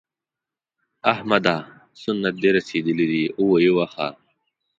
احمده! سنت دې رسېدلي دي؛ ویې وهه.